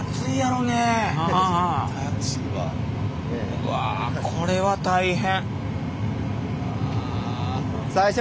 うわこれは大変。